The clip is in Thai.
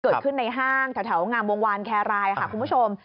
เกิดขึ้นในห้างแถวงามวงวานแครรายค่ะคุณผู้ชม